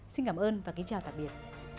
xin cảm ơn và kính chào tạm biệt